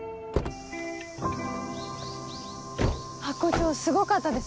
ハコ長すごかったです